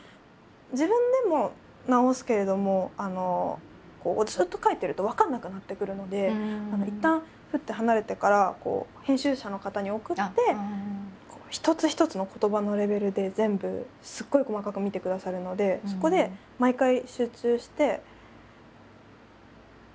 自分でも直すけれどもずっと書いてると分かんなくなってくるのでいったんふっと離れてから編集者の方に送って一つ一つの言葉のレベルで全部すごい細かく見てくださるのでそこで毎回集中して書く。